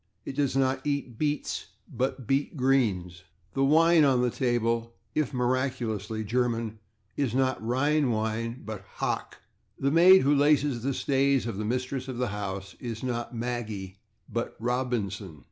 It does not eat /beets/, but /beet roots/. The wine on the table, if miraculously German, is not /Rhine wine/, but /Hock/.... The maid who laces the stays of the mistress of the house is not /Maggie/ but /Robinson